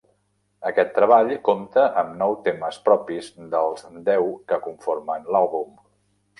Aquest treball compta amb nou temes propis dels deu que conformen l'àlbum.